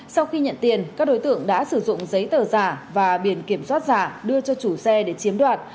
sau khi nhận tiền các đối tượng đã sử dụng giấy tờ giả và biển kiểm soát giả đưa cho chủ xe để chiếm đoạt